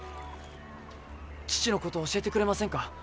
父のことを教えてくれませんか。